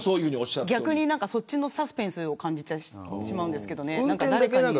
逆に、そっちのサスペンスを感じてしまいますが。